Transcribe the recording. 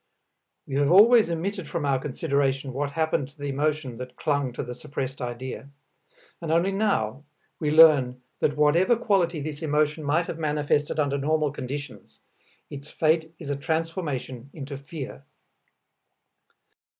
We have always omitted from our consideration what happened to the emotion that clung to the suppressed idea; and only now we learn that whatever quality this emotion might have manifested under normal conditions, its fate is a transformation into fear.